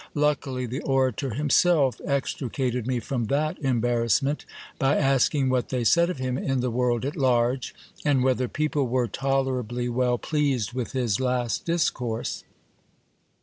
Luckily the orator himself extricated me from that embarrassment, by asking what they said of him in the world at large, and whether people were tolerably well pleased with his last discourse.